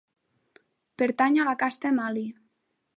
Pertany a la casta Mali.